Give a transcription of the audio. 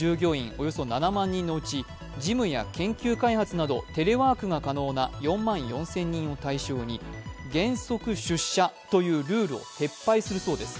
およそ７万人のうち事務や研究開発などテレワークが可能な４万４０００人を対象に原則出社というルールを撤廃するそうです。